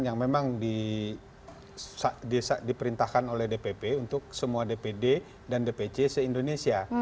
yang memang diperintahkan oleh dpp untuk semua dpd dan dpc se indonesia